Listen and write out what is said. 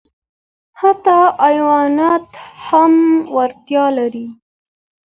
حتی حیوانات هم وړتیا لري.